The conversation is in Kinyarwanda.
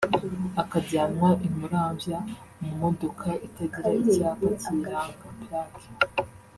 akajyanwa i Muramvya mu modoka itagira icyapa kiyiranga (plaque)